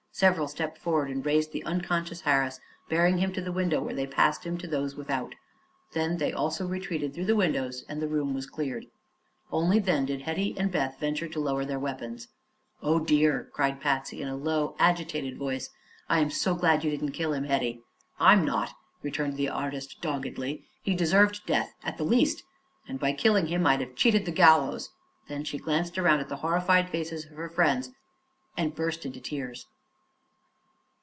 Several stepped forward and raised the unconscious Harris, bearing him to the window, where they passed him to those without. Then they also retreated through the windows and the room was cleared. Only then did Hetty and Beth venture to lower their weapons. "Oh, dear!" cried Patsy, in a low, agitated voice; "I'm so glad you didn't kill him, Hetty." "I'm not," returned the artist doggedly. "He deserved death, at the least, and by killing him I'd have cheated the gallows." Then she glanced around at the horrified faces of her friends and burst into tears.